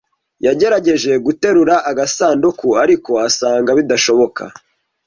Yagerageje guterura agasanduku, ariko asanga bidashoboka.